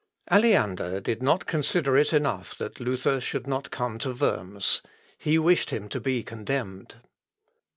Aleander did not consider it enough that Luther should not come to Worms he wished him to be condemned.